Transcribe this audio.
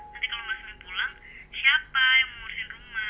nanti kalau mbak sumi pulang siapa yang mau ngurusin rumah